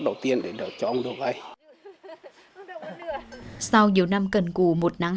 đối với ông việt